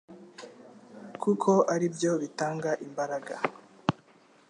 kuko ari byo bitanga imbaraga